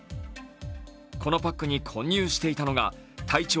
このパックに混入していたのが体長